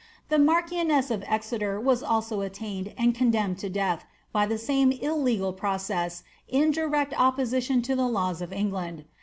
* The marchioness of Exeter was also attainted ami "mlemned to death by the same illegal process, in direct opposition" "> the hws of England.